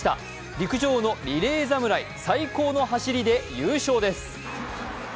陸上のリレー侍、最高の走りで優勝です。